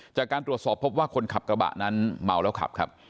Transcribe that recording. จากการตรวจสอบพบว่าคนขับกระบะนั้นเมาแล้วขับครับ